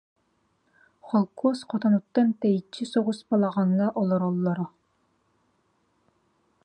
Холкуос хотонуттан тэйиччи соҕус балаҕаҥҥа олороллоро